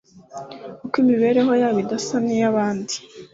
kuko imibereho yayo idasa n'iy'abandi